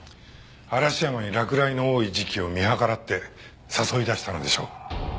嵐山に落雷の多い時期を見計らって誘い出したのでしょう。